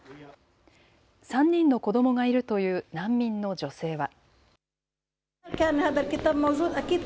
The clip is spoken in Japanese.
３人の子どもがいるという難民の女性は。